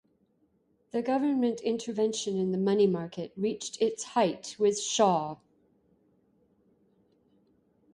The government intervention in the money market reached its height with Shaw.